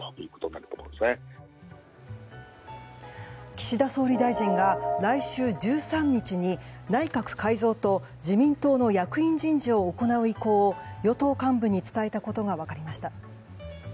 岸田総理大臣が来週１３日に内閣改造と自民党の役員人事を行う意向を与党幹部に伝えたことが分かりました。